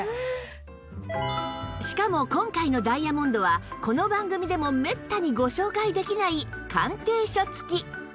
しかも今回のダイヤモンドはこの番組でもめったにご紹介できない鑑定書付き